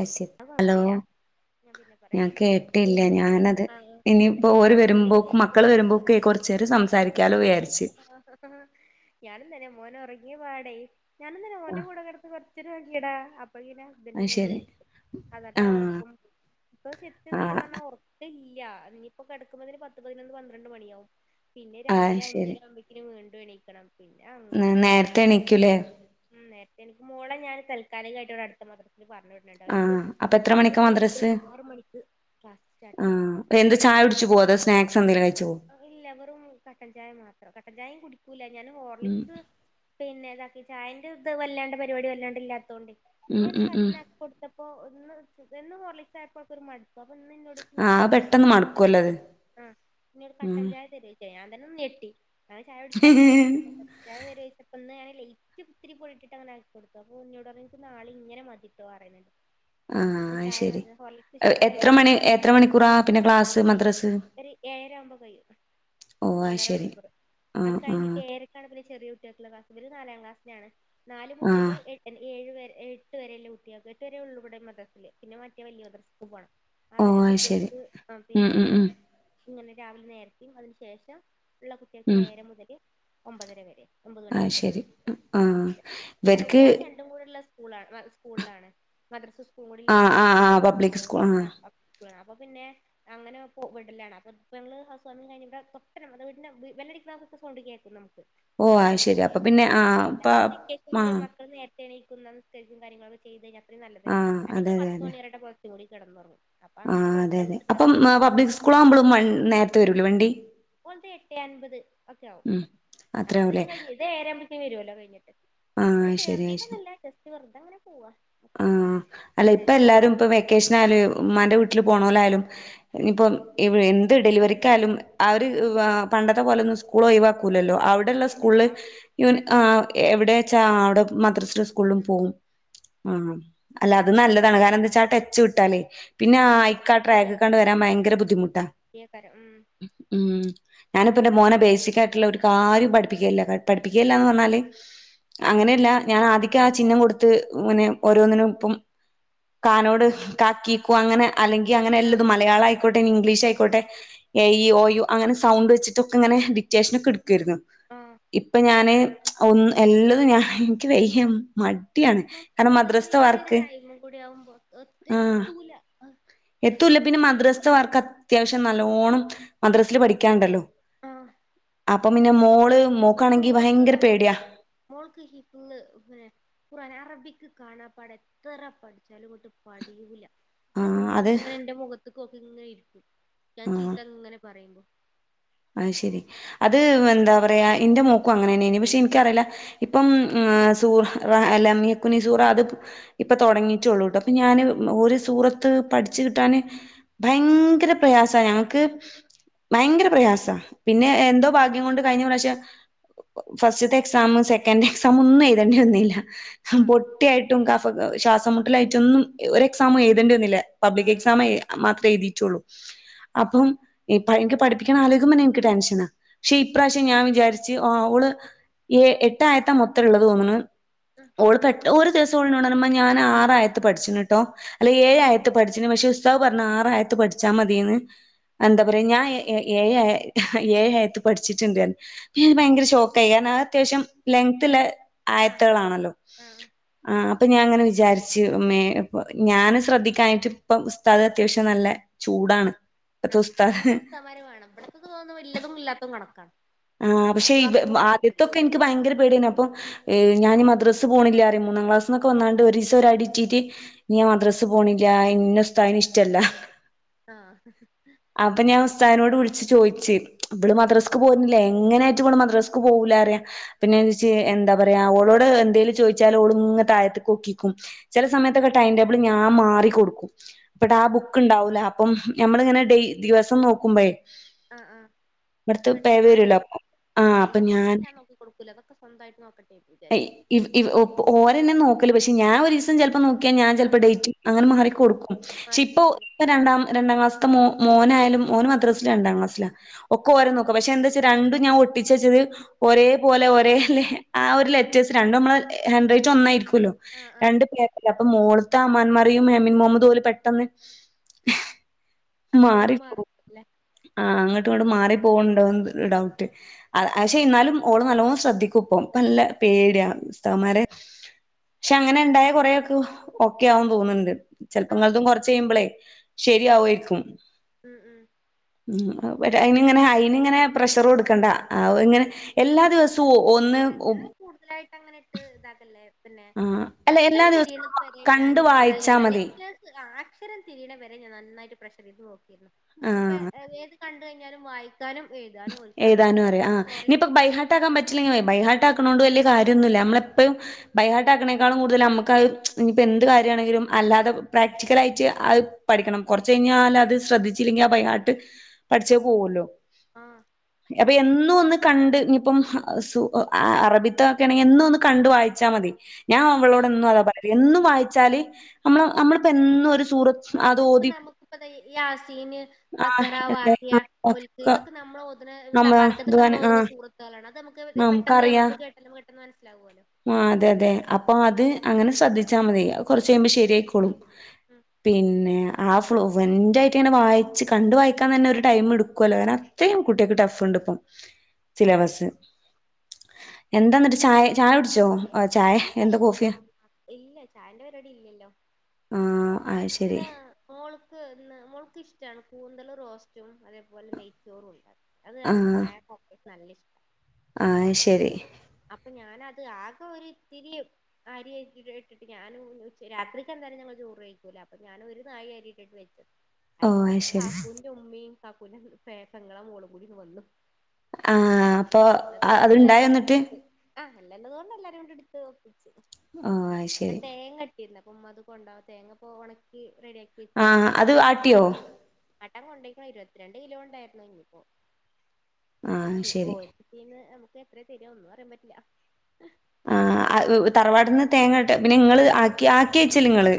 AC അത് hello കൊഴപ്പില്ല ഞാൻ പിന്നെ പറയാം ഞാൻ കേട്ടില്ല്യ പിന്നെ ഞാനത് ആഹ് കൊഴപ്പില്ല ഇനിയിപ്പോ ഓര് അതിന്റെ ഇതില് വെരുമ്പോക്കും മക്കള് വെച്ചതാ വെരുമ്പോക്കെ കൊർ ച്ചേരം സംസാരിയ്ക്കാലാേയാര്ച്ച് ആഹ് ഞാനും തന്നെ മോനാെറങ്ങ്യ പാടേയ് ഞാനും തന്നെ ആ ഓന്റെ കൂടെ കെടെന്ന് കൊർച്ചേരം ഒർങ്ങ്യെടാ അപ്പോയ്ക്ക് ഇന്റെ ഹസ്ബന്റ് അത് ഇങ്ങെനെ ശരി വ്ൾച്ച് ആഹ് ന്നെട്ടാ ആ ഒർക്കും പോയ് ഇപ്പാ ശെരിയ്ക്കും ആ സത്യം പർഞ്ഞാ ഒർക്കല്ലാ ഇഞ്ഞ്പ്പാെ കെടക്കുമ്പതിന് പത്ത് പതിനൊന്ന് പന്ത്രണ്ട് മണിയാവും പിന്നെ ആ രാവിലെ അഞ്ചെര ആവുമ്പയ്ക്കിന് വീണ്ടും എണീക്കെണം നെ നേര്ത്തെ എണീയ്ക്കുലേ ഉം നേര്ത്തെ എണീക്കും മൊളെ ഞാന് തൽക്കാലികായിട്ട് വ്ടെ അട്ത്ത മാദ്രസ്ല് പറഞ്ഞ് വിട്ണ്‌ണ്ട് ആ അവര് അപ്പൊ എത്ര ആറ് മണിക്കാ മണീക്ക് മദ്രസ് ആറ് മണിക്ക് ക്ലാസ്സ് ആ സ്റ്റാട്ടെയ്യും എന്ത് ചായുട്ച്ച് പോവ അതൊ സ്നാക്സ് എന്തെലും കഴിച്ച് പോ. ഇല്ല വറും കട്ടൻ ചായ മാത്രം കട്ടൻ ചായയും കുടിക്കൂല ഞാന് ഉം ഹോർലിക്സ്. പിന്നെ താക്കി ചായന്റെ ഇത് വല്ലാണ്ട പരിപാടി വല്ലാണ്ട് ഇല്ലാതോണ്ടയ് ഉം ഇന്നേന് ഉം ഉം കട്ട്ന കൊട്ത്തപ്പോ ഒന്ന് എന്നും ഹോർലിക്സായപ്പോൾക്കൊര് മട് പ് അപ്പന്ന്ന്നോടോയ്ച്ച് ആ അത് കട്ടഞ്ചായ പെട്ടെന്ന് തരൊയ്ച് മടുക്കുവല്ലോ അത് ആ പിന്നൊരു ഉം കട്ടഞ്ചായ. തരോയ്ച് ഞാൻ തന്നെ നെട്ടി അങ്ങനെ ചായടിക്കാത്ത ആളാണ്. ചായ തെരോയ്ച്ചപ്പൊന്ന് ഞാൻ ലേറ്റ്ത്തിരി പൊടിട്ടങ്ങനെ ആക്കി കൊടുത്തു അപ്പോഓൾന്നോട് പർഞ്ഞ് ഇൻക്ക് നാളീം ഇങ്ങനെ മതിട്ടോ പറിണ് [unintelligible] ആഹ് അയ്ശരി എത്ര മണി ഇഷ്ടല്ലായിട്ടെന്തോന്നോ എത്ര മണിക്കൂറാ പിന്നെ ക്ലാസ്സ് മദ്രസ്. ഒരു ഏഴര ആവുമ്പോ കഴിയും ഓഹ് അഹ്ശരി ഉം ഉം. [unintelligible] ര്ക്കാണെങ്കില് ചെറിയ കുട്ട്യാക്ക്ള്ള ക്ലാസ് ബല് നാലാം ക്ലാസ്സിലാണ് നാല് ആ മുതല് എട്ട് ഏഴ് വരെ ഏഴ്. ട്ട് വരെല്ല കുട്ട്യാക് എട്ട് വരേ ഉള്ളൂ ഇവിടെ മദ്രസല് പിന്നെ മറ്റേ വല്ല്യ മദ്രസക്ക് പോണം. ഓ അവരെ അത് ശരി കുട്ട്യൾക്ക് അ ഉം പിന്നെ. ഉം ഉം ഇങ്ങനെ രാവിലെ നേര്തിം അതിന് ശേഷം ഉള്ള കുട്ട്യാക്ക് ഉം ഏഴര മുതല് ഒമ്പതര വരെ. ഒമ്പത് അത് മണിവരെക്കെ ശരി തോന്ന ആ ഓള് ഇവർക്ക് മോള് രണ്ടും കൂടെള്ള സ് കൂളാ മ സ്കൂൾലാണ് മദ്രസു സ്കൂളും കൂടിള്ള ആ ആ ആ സ്കൂളായഞ്ച്പ്പ പബ്ലിക് സ്കൂൾ ആ അ ഒ. സ്കൂളാണ് അപ്പൊ പിന്നെ അങ്ങനെ പൊ വിടലാണ് അപ്പൊ. ഇപ്പമ്മള് ഹൗസ് വാമിങ് കഴിഞിട്ട തൊട്ടനമ്മടെ വീടിന്റെ വ് വെല്ലടിക് ണാതൊക്കെ സൗണ്ട് കേക്കും നമുക്ക്. ഓ അത്ര അത് ശരി അടുത്തന്നെണ് അപ്പൊ ആ പിന്നെ അപ്പ എന്തായാലും ആ വെക്കേഷൻല് മക്കൾ നേര് തെണീക്കുന്നതും നിസ്കരിക്കും കാര്യങ്ങളൊക്ക ചെയ്ത്കയിഞ്ഞ അത്രീം ആ നല്ലതല്ലെ അതെ അല്ലെങ്കി അതെ പത്ത് അതെ മണിവരെടെ പൊതച്ചു മൂടി കെടന്നൊറങ്ങും. അപ്പൊ അങ്ങനെ വെറുതെ വിട്ന്നതാ ക്ലാസ്സ്‌. കുളാവുമ്പളും വൺ നേർത്തെ വരൂലെ വണ്ടി. ഓൾത് എട്ടെ അൻപത് ഒക്കെ ആവും ഉം അപ്പതിന് ത് അത്രയാവൂലേ കഴിഞ്ഞു ഇത് ഏയരാവുമ്പത്തേനെ വരുവല്ലോ കഴിഞ്ഞിട്ട്. ആ വടെ ശരി ശരി ചേർത്തീട്ടൊന്നുല്ല ജസ്റ്റ് വെറുതങ്ങനെ പൂവാ അത്രന്നൊള്ളൂ രണ്ട് ക്ലാസ്സ്ത്തു. ക്കേഷനായാലു ഉമ്മാൻ്റെ വീട്ടില് പോണോലായാലും. ഇഞ്ഞ്പ്പം എവി എന്ത് ഡെലിവറിക്കായാലും അവര് വാ പണ്ടത്തെ പോലൊന്നും സ്കൂളൊയിവാക്കൂലല്ലോ അവിട് ടെള്ള ഇല്ലല്ല സ്കൂൾല് അവ ഇവൻ ആഹ് എവിടേച്ചാ അവിടെ മദ്രസിലും സ്കൂളിലും ഉം പോവും. ആഹ് അല്ല അത് നല്ലതാണ് കാരണെന്തെച്ചാ ആ ടച്ച് വിട്ടാലേ. പിന്നാ ആഹ് അയിക്കാ ട്രാക്ക്ക്കാണ്ട് മടിയാക്കാരം വരാൻ ഭയങ്കര ബുദ്ധിമുട്ടാ മടിയാക്കാരം ഉം ഉം. ഞാന്പ്പന്റെ മോനെ ബേസിക്കായിട്ട്ള്ള ഒരു കാര്യും പഠിപ്പിക്കല്ല പട് പഠിപ്പിക്കല്ലാന്ന് പർഞ്ഞാല്. അങ്ങനെയല്ല ഞാൻ അധികാ ചിഹ്നം കൊടുത്ത് ഇങ്ങനെ ഓരോന്നിനും ഇപ്പം. കാനോട് കാ കീ കൂ അങ്ങനെ അല്ലെങ്കി അങ്ങനെ ആഹ് എല്ലതും മലയാളായി ക്കോട്ടേഞ്ഞ് ആഹ് ഇംഗ്ലീഷയ്ക്കോട്ടെ എ ഇ ഓ യു അങ്ങനെ സൗണ്ട് വെച്ചിട്ടൊക്കെങ്ങനെ ഡിക്റ്റേഷനൊക്കെട് ക്കേര്ന്നു ആഹ് ആഹ് ഇപ്പ ഞാന് ഒന്ന് എല്ലതും ഞാൻ എനിക്ക് വെയ്യ മട് സത്യം നമ്മളീ ഒരു ടൈമും കൂടിയാവുമ്പോ ഒത് ആഹ് എത്തൂല അഹ്. എത്തൂല്ല പിന്നെ മദ്രസ്ത്തെ വർക്കത്യാവശ്യം നല്ലോണം മദ്രസല് പഠിക്കാണ്ടല്ലോ. ആഹ്. അപ്പം പിന്നെ മോള് മോക്കാണെങ്കി മോൾക്ക് ഭയങ്കര അതേപോലെ പേട്യാ. തന്നെ മോൾക്ക് ഹിഫ്ള് മേ ഖുറാന അറബിക് കാണാപ്പാടെത്തറ പഠിച്ചാലും ഇങ്ങോട്ട് പഠിയൂല ആഹ് അത് ത്ങ്ങനെന്റെ മുഖത്ത്ക്കോക്കിങ്ങനെ ഇര്ക്കു ഞാൻ ചീത്തങ്ങനെ പറയുമ്പോ. അഹ് ശെരി അത് എന്താ പറയാ എന്റ മോക്കും അങ്ങനെന്നേനി പക്ഷെ ഇൻക്കറില. ഇപ്പം ആഹ് സൂഹ് റ അലം യക്കുനി സൂറ അത് ഇപ്പ തൊടങ്ങീട്ടൊള്ളൂട്ടോ. പ ഞാന് ആഹ് ഉം ഓര് സൂറത്ത്. പഠിച്ച് കിട്ടാന് ഭയങ്കര പ്രയാസാ ഞങ്ങക്ക് ഭയങ്കര പ്രയാസ് പിന്നെ എന്തോ ഭാഗ്യം കൊണ്ട് കഴിഞ്ഞ പ്രാശ്യ ഫസ്റ്റത്തെ എക്സാമ് സെക്കൻ്റെക്സാമൊന്നും എഴുതേണ്ടി വന്നീല്ല ഹും ആഹ് പൊട്ടിയായിട്ടും കഫക്കെ ശ്വാസം മുട്ടലായിട്ടൊന്നും ഇ ഒരെക്സാമും എഴുതേണ്ടി വന്നില്ല ആഹ് പബ്ലിക്കെക്സാമേ മാത്രേ എഴുതീറ്റുള്ളൂ അപ്പം എ പ എൻക്ക് പഠിപ്പിക്കാനാലോചി ക്കുമ്പന്നെ എനിക്ക് ടെൻഷനാ ക്ഷെ ഇപ്രാശ്യം ഞാൻ കയ്യിലാറെ വിചാരി ച്ച് ആഹ് ഓള് ഏ എട്ടായത്താ മൊത്ത്ള്ളത് തോന്ന്ണ് ആഹ് ഓള്ക്കെട്ട് ഓര് ദിവസോളെന്നോട് പറഞ്ഞ് ഉമ്മാ ഞാന് ആറായത്ത് പഠിച്ച്ണ് ട്ടോ അല്ല ഏഴായത്ത് പഠിച്ച്ണ് പക്ഷെ ഉസ് താദ് പറഞ്ഞ് ആറായത്ത് പഠിച്ചാ മതീന്ന് ആഹ് എന്താ പറയാ ഞാ ഏ ഏ ഏഴായ എ ഇഹ ഏഴായത്ത് പഠിച്ചിട്ടുണ്ടാന്നു ഞാൻ ആഹ് ഭയങ്കര ഷോക്കായി കാരണം അതത്യാവശ്യം ലെങ്ന്തുള്ള ആഹ് ആയത്ത്കളാണല്ലോ ആഹ് ആഹ് അപ്പൊ ഞാൻങ്ങനെ വിചാരിച്ച് മേ ഇപ്പൊ ഞാന് ശ്രദ്ധിക്കാഞ്ഞിട്ട് ഇപ്പ ഉസ്താദ് അത്യാവശ്യം നല്ല ചൂടാണ് ഇപ്പത്തെ ആഹ് ആ ഉസ്താദ് അങ്ങനത്തെ ഉസ്താദ്മാര് വേണം ഇവിടത്തത് ഓന്ന് ഇല്ലതും ഇല്ലാത്തതും കണക്കാണ് ആഹ് പക്ഷെ ഒരു ഇവ വർക്കും കൂടി കൊടുക്കൂല ആദ്യത്തൊക്കെ ഇനിക്ക് ഭയങ്കര പേടിയാണ് അപ്പൊ ഏഹ് ഞാന് മദ്രസ്സ പോണില്ലാ അറയും മൂന്നാം ക്ലാസ്സ്ന്നൊക്കെ വന്നാണ്ട് ഒരീസൊരടിറ്റീറ്റ് ഇനിയാൻ മദ്രസ പോണില്ല ഇന്ന ഉസ്താദിന് ഇഷ്ടല്ല ആഹ് അപ്പ ഞാൻ ഉസ്താദിനോട് വിളിച്ച് ചോയിച്ച് ഇവള് മദ്രസക്ക് പോരുന്നില്ല എങ്ങനായിട്ടും ഇവള് മദ്രസ് ക്ക് പോവൂലാ പറയ ആഹ് പിന്നെ ദിസ് ചേ എന്താ പറയാ ഓളോട് എന്തേലും ചോയിച്ചാലോള് ഇങ്ങ് താഴത്തൈക്കോക്കിക്കും ചെല സമയത്തൊക്കെ ടൈംടേബിള് ഞാൻ മാറി കൊടുക്കും ഇപ്പട്ട് ആഹ് ബുക്ക്ണ്ടാവൂല അപ്പം ഞമ്മളിങ്ങനെ ഡെയ് ദിവസം നോക്കുമ്പഴേ ആഹ് ആഹ് ഇവിടുത്തെ പേ പെട്ടെന്ന് വരുവല്ലോ മാറിയല്ല അപ്പൊ ആഹ് ടൈം അപ്പൊ ടേബിളൊന്നും ഞാൻ നോക്കി കൊടുക്കൂല്ല അതൊക്കെ സ്വന്തായിട്ട് നോക്കട്ടെ വിചാരി ഇവ് ഇവ ഓ ഓരന്നെ നോക്കല് പക്ഷെ ഞാൻ ഒരീസം ചെലപ്പോ നോ ക്കിയാ ഞാൻ ആഹ് ചെലപ്പൊ ഡേറ്റ് അങ്ങനെ മാറി കൊടുക്കും. ക്ഷെ മാറി ഇപ്പൊ നിക്കൂല ഇപ്പ രണ്ടാം രണ്ടാം ക്ലാസ്സ്ത്തെ മോ മോനായാലും മോന് മദ്രസ്സൽ രണ്ടാം ക്ലാസ്സിലാ ഒക്കെ ഓര് നോക്കും പക്ഷെ എന്താച്ചാ രണ്ടും ഞാൻ ഒട്ടിച്ച് വെച്ചത് ഒരേ പോലെ ഒരേ ല് ആഹ് ഒരു ലെറ്റേഴ്സ് രണ്ടും നമ്മള് ഏഹ് ഹാൻഡ്റൈറ്റ് ഒന്നായിരിക്കൂല്ലോ ആഹ് ആഹ് രണ്ടു പേരല്ല അപ്പൊ മോളത്തെ അമ്മാരെയും എമിൻ മുഹമ്മദ് പോലും പെട്ടെന്ന് അങ്ങോട്ടും ഇങ്ങോട്ടും മാറിപ്പോകും മാറില്ലേ ആഹ് അങ്ങോട്ടും ഇങ്ങോട്ട് മാറി പോകണ്ടോന്ന് ഡൗട്ട് പക്ഷെ എന്നാലും ഓള് നല്ലോണം ശ്രദ്ധിക്കൂപ്പം നല്ല പേടിയാണ്ഉസ്താവന്മാരെ പക്ഷെ അങ്ങനെ ഉണ്ടായൽ കൊറെക്കെ ഓക്കെയാവുന്ന് തോന്നുന്നുണ്ട് ആഹ് ചെലപ്പങ്ങളതും കൊറച്ച് കയ്യുമ്പോളെ ശരിയാവായിരിക്കും ഉം ഉം ഉം അയിനിങ്ങനെ അയിന് ഇങ്ങനെ പ്രഷറു കൊടുക്കണ്ട ഇങ്ങനെ ആ, എല്ലാ ഞാൻ ദിവസവും ഒന്ന് ഓരോ- ഞാൻ കൂടുതലായിട്ട് അങ്ങനെ ഇട്ട് ഇതാക്കല്ലേ പിന്നെ ആഹ് അല്ല എല്ലാ അക്ഷരം ദിവസവും തിരിയുന്നത് വരെ ഞാന് കണ്ട് വായിച്ചാ മതി ഇതാ അക്ഷരം തിരിണ വരെ ഞാൻ നന്നായിട്ട് പ്രഷർ ചെയ്ത് നോക്കിരുന്നു ഇപ്പ ആഹ് ഏത് ക കഴിഞ്ഞാലും വായിക്കാനും എഴുതാനും ഓന്ക്ക്‌ അറിയുന്നുണ്ട് ട്ടാക്കാൻ പറ്റില്ലെങ്കിൽ ബൈ ഹാർട്ടാക്കണോണ്ട് വലിയ കാര്യൊന്നുമില്ല നമ്മളെപ്പഴും ബൈഹാർട്ട് ആക്കണേക്കാളും കൂടുതല് നമുക്കത് ഇനിപ്പോ എന്ത് കാര്യമാണെങ്കിലും അല്ലാതെ പ്രാക്ടിക്കല് ആയിട്ട് പഠിക്കണം കുറച്ച് കഴിഞ്ഞാല് അത് ശ്രദ്ധിച്ചില്ലെങ്കിൽ ആഹ് ബൈഹാർട്ട് പഠിച്ചേ പോകുല്ലോ ആഹ് അപ്പൊ എന്നും ഒന്ന് കണ്ട്. ഇഞ് ഇപ്പം അറബിത്ത ഒക്കെ ആണെങ്കി എന്നും ഒന്ന് കണ്ട് വായിച്ചാ മതി. ഞാൻ അവളോട് ആഹ് എന്നും അതാ പറയല്. എന്നും വായിച്ചാല് നമ്മള് നമ്മളിപ്പോ എന്നും ഒരു സൂറ ആഹ് അപ്പൻക്ക്ഇപ്പ നമുക്കിപ്പതെ ഈ യാസീന് ആഹ് ബക്കറ, അല്ലേ വാക്കിയ, മുൽക്ക്, ഇതൊക്കെ നമ്മള് ഓത്ണ തബാറക്ക ഇതൊക്കെ നമ്മള് ഓത്ണ ആഹ് സൂറത്തേളാണ്. അത് നമുക്ക് പെട്ടെന്ന് എവിട്ന്ന് കേട്ടാലും പെട്ടെന്ന് മനസ്സിലാവോലോ. ആഹ് അതെ അതെ. അപ്പൊ അത് അങ്ങനെ ശ്രദ്ധിച്ചാ മതി. അത് കൊറച്ച കഴിയുമ്പോ ശെരിയായിക്കോളും ഉം പിന്നെ ആ ഫ്ലോവെന്റായിട്ട് ഇങ്ങനെ വായിച്ച് കണ്ട് വായിക്കാൻ തന്നെ ഒരു ടൈം എടുക്ക്വല്ലോ. കാര്ണം അങ്ങനെ അത്രേയും കുട്ട്യേക്ക് ട്ടഫ്ണ്ട് ഇപ്പം സിലബസ്സ് എന്താ ഇന്നട്ട് ചായ ചായ കുട്ച്ചോ. ഇല്ലെയ്നോ ഇല്ല ചായന്റെ പരിപടി ഇല്ലല്ലൊ. ആ ഞാൻ അത് ശരി ഇന്ന് മോൾക്ക് ഇന്ന് മോൾക്ക് ഇഷ്ടാണ്. കൂന്തൽ റോസ്റ്റും അതേപോലെ നെയ്ച്ചോറും ഉണ്ട അത് ആ രണ്ട് അയാൾക്ക് [unintelligible] നല്ല ഇഷ്ടം ആഹ് ശെരി അപ്പൊ ഞാനത് ആകെ ഒരുതിരിയും. അരി ഇട്ടിട്ട്ട്ട് ഞാന് ഉ രാത്രിക്ക് എന്താലും ഞങ്ങള് ചോറ് കഴക്കൂല. അപ്പൊ ഞാനൊ ഒരു നാഴി അരി ഇട്ടിട്ട് വെച്ച വെച് [inaudible] അയിക്ക് ശരി കാക്കൂന്റെ ഉമ്മിം കാക്കൂന്റെ പെങ്ങളെ മോളും കൂടീന്ന് വന്നു. ആ അപ്പൊ ഇള്ളത് കൊണ്ട് അത്ണ്ടായോ എല്ലാരും. എന്നിട്ട്? ആഹ് അല്ലല്ലത്കൊണ്ട് എല്ലാരും ഇ എടുത്ത് ഒപ്പിച്ചു ഓ അത് ശരി തേങ്ങ കി കിട്ടി അപ്പൊ ഉമ്മ അത് കൊണ്ടവാ തേങ്ങപ്പൊ ഒണക്കി റെഡിയാക്കി ആ വെച്ചിരുന്നു പിന്നെ അത് ഇമ്മ ആട്ടിയോ? ആട്ടാ കൊണ്ടോക്ക്ണ്. ഇരുന്ത്രണ്ട് കിലോ കൊണ്ടായിരുന്നു ഇഞ്ഞ്പ്പോ ആ ഇ പോ ശരി പീന്നതീന്ന് നമുക്ക് എത്രയ തരിക ഒന്നും അറിയാൻ പറ്റില ആ തറവാട്ട്ന്ന് തേങ്ങ ഇട്ട പിന്നെ ഇങ്ങള് ആക്കി ആക്കി അയച്ചല് ഇങ്ങള്.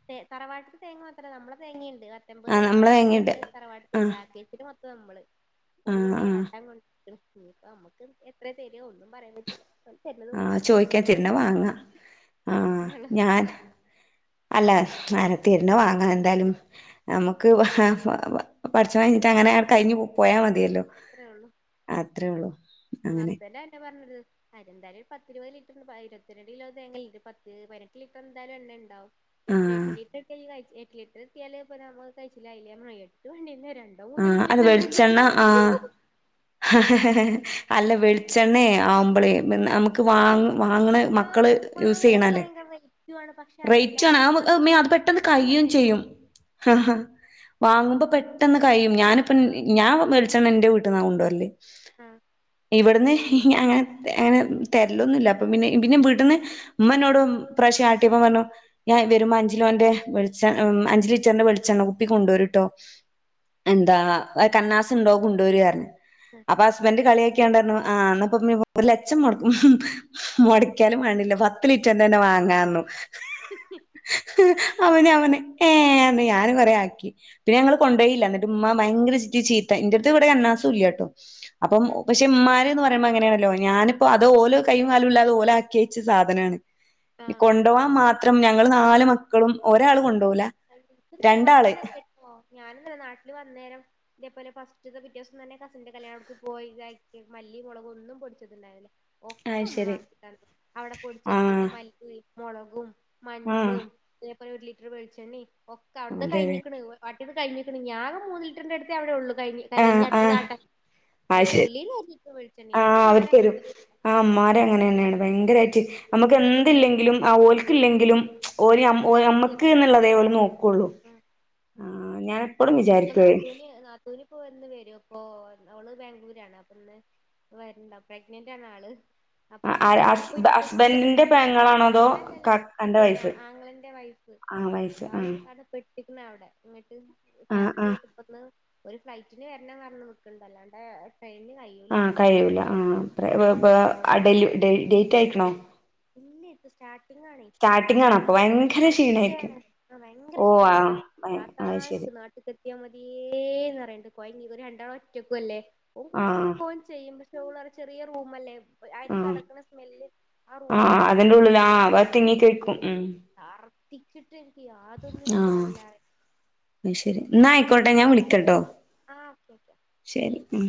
റ്റെ തറവാട്ടത്തില് തേങ്ങ മാത്രല്ല നമ്മള തേങ്ങിണ്ട്. പത്തമ്പത് ആ തേങ്ങ നമ്മള് നമ്മളത് വാങ്ങിണ്ട് കൊണ്ട് തറവാടത്തിണ്ട് ആ കേസി നമ്മള് പോല് കൊണ്ട് ആ കൊണ്ടൊയിക്കണുപ്പൊ നമ്മുക്ക് എത്ര തരോ ഒന്നും പറയാൻ പറ്റില്ല ഓല് തരുന്നത് ആഹ് വാങ്ങിക്കാ ചോദിക്കാ തരുന്ന അത്രക്കൊള്ളൂ വാങ്ങാം ആഹ് അങ്ങനെയള്ളു ഞാൻ അല്ല അഹ്. ത്തര്ന്ന വാങ്ങാ എന്തായാലും നമുക്ക് പഠച്ചവൻ കനിഞ്ഞിട്ട് അങ്ങനെ കഴിഞ്ഞ് പോയ മതിയല്ല അത്രേ ഒള്ളൂ അത്രെയുള്ളു. ഉം ഹസ്ബെന്റുംതല്ല അതെന്ന യ പറഞ്ഞത്. എന്തായാലും പത്തിരുപത് ലിറ്റർ ഇരുപത്തിരണ്ട് കിലോ തേങ്ങല്ലേ ഒരു പത്ത് പതിനെട്ട് ലിറ്റർ എന്തായാലും എണ്ണ ഇണ്ടാവും ആ അതിലൊരു എട്ട് ലിറ്റർ കിട്ടി കയിച്ചിലായില്ലേ എട്ട് ലിറ്റർ കിട്ടിയാല് ഇപ്പ നമ്മ കയിച്ചലായില്ലേ എട്ട് വേണ്ടിന്ന് രണ്ട് രണ്ടോ ആ മൂന്നോ കിട്ടിയ അത് അൽ വെളിച്ചെണ്ണ ഹദുലില്ല. ആ അല്ല വെളിച്ചെണ്ണെ ആവുമ്പളേ പിന്നെ നമുക്ക് വാങ്ങ് വാങ്ങ്ണെഹ്. മക്കള് വാങ്ങ യൂസ് വാങ്ങണത് ചെയ്ണല്ലെ ഭയങ്കര റേറ്റുമാണ് പക്ഷെ അതല്ല നമുക്ക് റേയ്റ്റാണ് പെട്ടെന്ന് നിർത്താൻ കയ്യും പറ്റില്ലല്ലോ ചെയ്യും. ആഹാ വാങ്ങുമ്പം പെട്ടെന്ന് കയ്യും. ഞാനിപ്പം ആഹ് ഞാൻ വെളിച്ചണ്ണ എന്റെ വീട്ടിന്നാ കൊണ്ടുവരെല് ല് ആഹ് ഇവിട്ന്ന്. അങ്ങനെ അങ്ങനെ തെർല്ലൊന്നുല്ല അപ്പ പിന്നെ പിന്നെ വീട്ട്ന്ന് ഇമ്മന്നോടും ഇപ്രാവശ്യം ആട്ടിപ്പൊ പറഞ്ഞു ഞാൻ വരുമ്പം അഞ്ച് കിലോന്റെ വെളിച്ചെണ് അഞ്ചിലിറ്ററിന്റെ വെളിച്ചെണ്ണ കുപ്പി കൊണ്ടോര്ട്ടോ എന്താ കണ്ണാസ്ണ്ടോ കൊണ്ടോര് പ്റഞ്ഞ് ആഹ് അപ്പൊ ഹസ്ബന്റ് കളിയാക്കിയാണ്ട് പറഞ്ഞു ആഹ് ഇന്നാപ്പൊ ഇമ്മീം മോനും ഒരു ലച്ചം മൊടക്കും മൊടക്കിയാലും വേണ്ടില്ല പത്ത് ലിറ്റർന്റെന്നെ വാങ്ങാ പറഞ്ഞു മോൻ അവന് ഏഹ് ന്ന് ഞാനും കൊറെ ആക്കി പിന്നെ ഞങ്ങള് കൊണ്ടേയില്ല എന്നിട്ട് ഇമ്മ ഭയങ്കര വിൾച്ച് ചീത്ത ഇന്റെ എട്ത്ത് ഇവിടെ കന്നാസും ഇല്ല്യാട്ടോ അപ്പം ഉം ഒ പക്ഷെ ഇമ്മാര് ന്ന് പറയ്മ്പോ അങ്ങനെയാണല്ലോ ഞാന്പ്പോ അത് ഓല് കയ്യും കാലുല്ലാതെ ഓല് ആക്കി വച്ച സാധനാണ് ഇഞ് ആഹ് കൊണ്ടോവാം മാത്രം ഞങ്ങള് നാല് മക്കളും ഒരാളും കൊണ്ടോവൂല്ല ഇൻക്കും തന്നെ വന്നേക്ക് ഒര് പോ ഞാനും തന്നെ നാട്ടില് വന്നേരം ഇതേപോലെ ഫസ്റ്റ്ത്തെ പിറ്റേ ദിവസം തന്നെ കസിന്റെ കല്യാണം അവ്ട്ക്ക് പോയി ഇതാക്കി മല്ലി മൊളകൊന്നും പൊടിച്ചതിണ്ടായില്ല ഒക്ക അയ്ശരി ഉമ്മാക്കിതന്നു അവടെ പൊടിച്ച് വെച്ചിര്ന്ന ആഹ് മല്ലിം, മൊളകും, ആഹ് മഞ്ഞളും ഇതേപോലെ ഒരു ലിറ്റർ വെളിച്ചണ്ണി ഒക്കെ അവ്ട്ത്തെ അതെ അതെ കഴിഞ്ഞിക്ക്ണ് ആട്ടിയൊക്കെ കയിഞ്ഞ്ക്ക്ണ് ഇഞ് ആകെ ഒര് മൂന്ന് ലിറ്ററിന്റെ അടുത്തേ അവിടെ ഉള്ളൂ കയിഞ്ഞ് കാരണം ആഹ് ഇഞ്ഞ് അട്ത്തത് ആഹ് ആട്ട അയ്ന്റെ അയ്ശെ ഉള്ളീന്ന് [unintelligible] ആഹ് അവർത്തെരും ആഹ് ഇമ്മാര് അങ്ങനെന്നേണ് തന്നെ ഭയങ്കരായിട്ട് നമ്മക്ക് എന്തില്ലെങ്കിലും ആഹ് ഓൽക്ക് ഇല്ലെങ്കിലും ഓര് ഞം ഒ നമുക്ക് തരും ഞമ്മക്ക്ന്ന്ള്ളതേ ഓല് നോക്കൊള്ളൂ ഉം ആഹ് ഞാൻ എ എപ്പളും വിചാരിക്കും അഹ് നാത്തൂന് ഓര് നാത്തൂന് ഇപ്പൊ ഇന്ന് വെരും അപ്പൊ ഓള് ബാംഗ്ലൂരാണ് അപ്പൊ ഇന്ന് വര്ണ്ട് പ്രെഗ്നന്റാണ് ആള് അപ്പൊ അവടെ ഹസ് പോയിട്ട് പെട്ട്ക്ക്ണ് ഹസ്ബൻഡിന്റെ പെങ്ങളാണോ അതോ അല്ലല്ല പിന്നെ ആങ്ങളന്റെ വൈഫ് ആങ്ങള വൈഫ്‌ ആഹ് ട്ട്ക്ക്ണ് അവ്ടെ ഇന്നട്ട് ആഹ് ആഹ് ഛർദിയായിട്ട് പ്പ ഇന്ന് ഓര് ഫ്ലൈറ്റിന് വെര്നം പറഞ്ഞ് നിക്ക്ണ്ട് അല്ലാണ്ടെ ട്രെയിന് കയ്യൂ ആഹ് കയ്യൂല ആഹ് പ്രെ വേ എഹ് ഡെല് ഡെയ്റ്റ് അയ്ക്ക്ണോ ഇല്ലേ ഇപ്പ സ്റ്റാർട്ടിങ്ങാണെയ് സ്റ്റാർട്ടിംഗ് ആണ് അപ്പൊ ആഹ് ഭയങ്കര ക്ഷീണായിരിക്കും ഫസ്റ്റ്ത്തേയാണ് ആഹ് ഭയങ്കര ഓ ക്ഷീണണ്ട് ഇഞ്ഞോട് ആഹ് പറയാ താത്താ അത് ശരി ഇൻക്ക് നാട്ട് ട്ട്ക്ക് എത്തിയാ മതിയേന്ന് പറയ്ണ്ട് കൊയങ്ങി ഇവര് രണ്ടാളും ഒറ്റക്കും അല്ലേ ഓ ആഹ് കുക്കിങ്ഒക്കെ ഓൻ ച്ചെ ച്ചെയ്യും പക്ഷെ ഓള് പറയും ചെറിയ റൂമല്ലേ അരി ആഹ് തെളക്ക്ണ സ്മെല്ല് ആ റൂമില് ആഹ് ഇങ്ങട് അതിന്റെ തിങ്ങി ഉള്ളിൽ ആ അത് നിക്കെകാരം തിങ്ങി അപ്പൊ കഴിക്കും ഇൻക്ക് ഉം ഷർദിച്ചിട്ട് എനിക്ക് യാതൊന്നിനും ആഹ് കോലല്ലാ പറയും അയ്ശരി ഇന്നാ ആയ്ക്കോട്ടെ ഞാൻ വിളിക്കട്ടോ ആഹ് ഓക്കെ ഓക്കെ ശരി ഉം